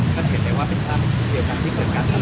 ก็เข็มได้ว่าเป็นภาพที่เดียวกันเราที่เปิดการทำต่อ